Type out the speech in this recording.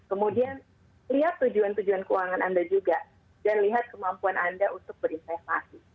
kemudian lihat tujuan tujuan keuangan anda juga dan lihat kemampuan anda untuk berinvestasi